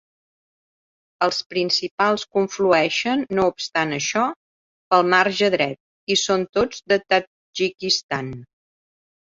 Els principals conflueixen, no obstant això, pel marge dret i són tots de Tadjikistan.